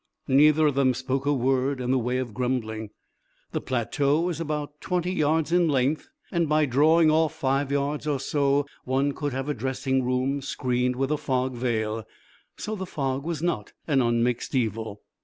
Neither of them spoke a word in the way of grumbling. The plateau was about twenty yards in length and by drawing off five yards or so one could have a dressing room screened with a fog veil, so the fog was not an unmixed evil.